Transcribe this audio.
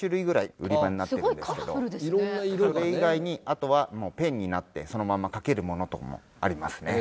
それ以外にあとはペンになってそのまんま描けるものとかもありますね。